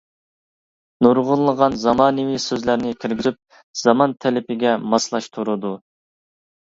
نۇرغۇنلىغان زامانىۋى سۆزلەرنى كىرگۈزۈپ زامان تەلىپىگە ماسلاشتۇرىدۇ.